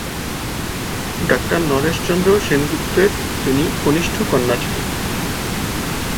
Doctor Naresh Chandra সেনগুপ্তের তিনি কনিষ্ঠ কন্যা ছিলেন।